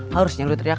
harusnya lu teriak